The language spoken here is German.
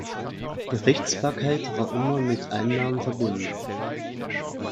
Gerichtsbarkeit war immer mit Einnahmen verbunden.